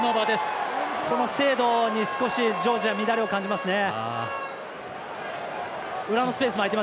この精度に少しジョージア乱れを感じますね。